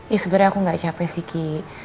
ya sebenarnya aku gak capek sih ki